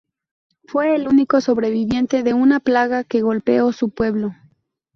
Fue el único sobreviviente de una plaga que golpeó su pueblo.